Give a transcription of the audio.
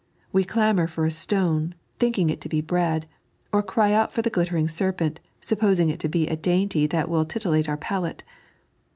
We clamour for a stone, thinking it to he bread ; or cry out for the gUttering serpent, supposing it to be a dainty that will titillate our palate.